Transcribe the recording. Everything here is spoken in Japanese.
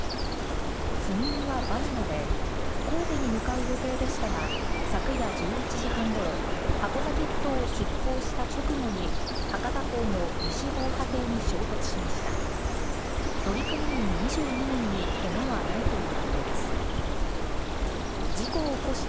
積み荷はバナナで、神戸に向かう予定でしたが、昨夜１１時半ごろ、箱崎ふ頭を出港した直後に、博多港の西防波堤に衝突しました。